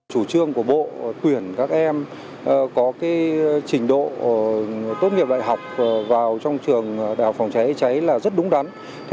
chủ trương của bộ tuyển các em có trình độ tốt nghiệp đại học vào trong trường đào phòng cháy cháy là rất đúng đắn